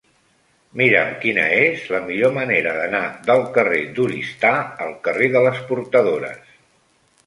Mira'm quina és la millor manera d'anar del carrer d'Oristà al carrer de les Portadores.